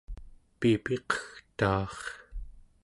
piipiqegtaar